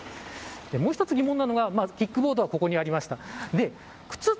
もう１つ疑問なのがキックボードはここにありました。